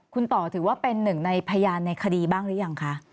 คุณต่อถือว่าเป็นหนึ่งในพยานในคดีบ้างหรือยังคะ